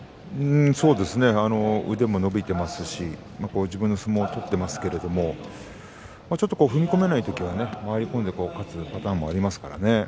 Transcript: そうですね腕も伸びていますし自分の相撲を取っていますけどももうちょっと踏み込めないときは回り込んで勝つパターンもありますね